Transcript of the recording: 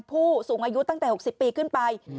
ผู้สูงอายุตั้งแต่๖๐ปีขึ้นไป